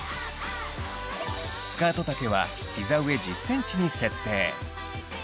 スカート丈はヒザ上１０ｃｍに設定。